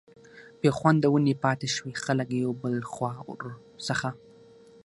بي خونده ونې پاتي شوې، خلک يو بل خوا ور څخه